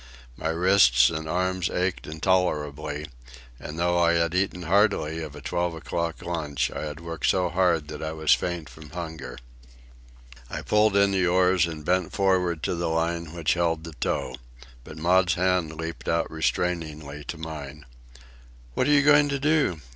My wrists and arms ached intolerably, and though I had eaten heartily of a twelve o'clock lunch, I had worked so hard that I was faint from hunger. I pulled in the oars and bent forward to the line which held the tow. But Maud's hand leaped out restrainingly to mine. "What are you going to do?"